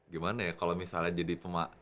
gimana ya kalau misalnya jadi